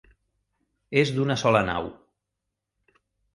És d'una sola nau.